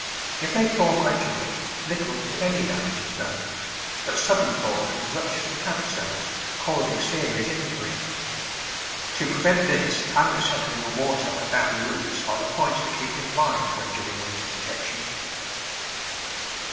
If they thaw gradually, little if any damage is done, but sudden thawing ruptures the plant cells, causing serious injury. To prevent this and the settling of water about the roots are the points to keep in mind when giving winter protection.